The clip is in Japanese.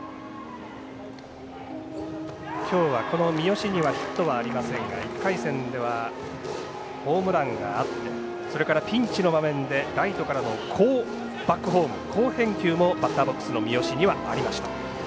今日は三好にはヒットがありませんが１回戦ではホームランがあってそれから、ピンチの場面でライトからの好バックホーム好返球もバッターボックスの三好にはありました。